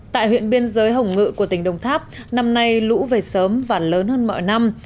tại huyện biên giới hồng ngự của tỉnh đồng tháp năm nay lũ về sớm và lớn hơn mọi năm